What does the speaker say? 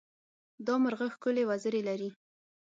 دا مرغه ښکلې وزرې لري.